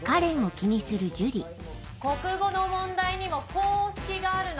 国語の問題にも公式があるの。